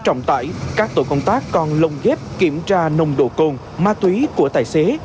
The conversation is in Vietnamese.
trọng tải các tổ công tác còn lồng ghép kiểm tra nồng độ cồn ma túy của tài xế